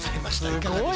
いかがでした？